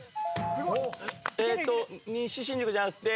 えっと西新宿じゃなくて。